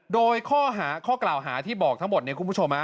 โดยข้อกล่าวหาที่บอกทั้งหมดเนี่ยคุณผู้ชม